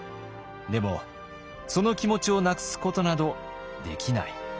でもその気持ちをなくすことなどできない。